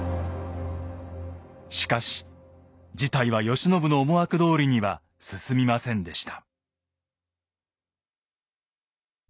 しかし事態は慶喜の思惑どおりには進みませんでした。